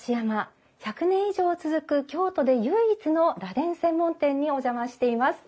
１００年以上続く京都で唯一の螺鈿専門店にお邪魔しています。